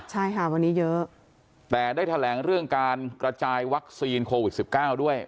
ใช่ค่ะวันนี้เยอะแต่ได้แถลงเรื่องการกระจายวัคซีนโควิดสิบเก้าด้วย